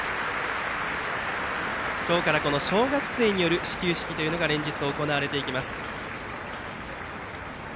今日から小学生による始球式が連日行われていきます。